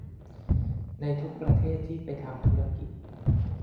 ในทุกประเทศที่ไปทำธุรกิจ